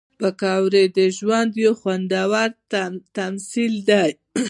پکورې د ژوند یو خوندور تمثیل دی